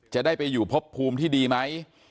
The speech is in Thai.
จะได้ไปอยู่พบภูมิที่ดีไหม